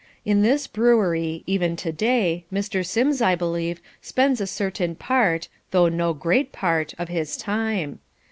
In this brewery, even to day, Mr. Sims, I believe, spends a certain part, though no great part, of his time.